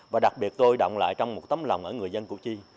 và đặc biệt tôi động lại trong một tấm lòng ở người dân hồ chí